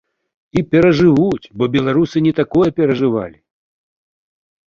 І перажывуць, бо беларусы не такое перажывалі.